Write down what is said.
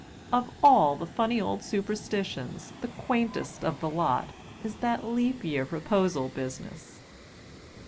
Of all the funny old superstitions, the quaintest of the lot is that Leap Year proposal business."